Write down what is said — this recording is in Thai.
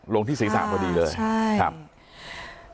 ลงที่๔๓พอดีเลยครับใช่